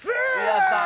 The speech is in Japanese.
やったー！